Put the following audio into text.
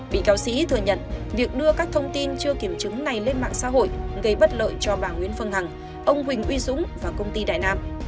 bị cáo sĩ thừa nhận việc đưa các thông tin chưa kiểm chứng này lên mạng xã hội gây bất lợi cho bà nguyễn phương hằng ông huỳnh uy dũng và công ty đại nam